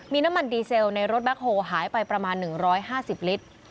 มีน้ำมันดีเซลในรถแคคโฮลหายไปประมาณ๑๕๐ลิตร